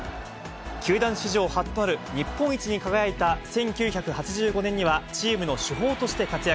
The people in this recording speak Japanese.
球団史上初となる日本一に輝いた１９８５年には、チームの主砲として活躍。